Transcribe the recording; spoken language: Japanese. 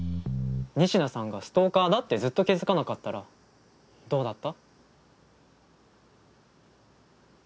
仁科さんがストーカーだってずっと気付かなかったらどうだった？